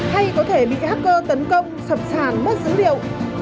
hay có thể bị hacker tấn công sập sàng mất dữ liệu